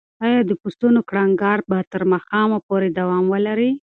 ایا د پسونو کړنګار به تر ماښامه پورې دوام ولري؟